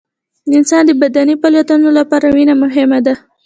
د انسان د بدني فعالیتونو لپاره وینه مهمه ده